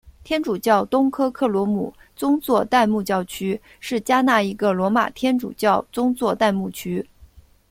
天主教东科克罗姆宗座代牧教区是加纳一个罗马天主教宗座代牧区。